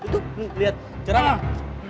itu liat cerah gak